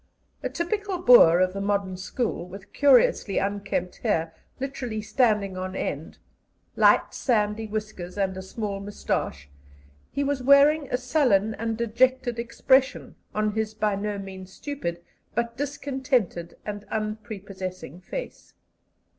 A typical Boer of the modern school, with curiously unkempt hair literally standing on end, light sandy whiskers, and a small moustache, he was wearing a sullen and dejected expression on his by no means stupid, but discontented and unprepossessing, face.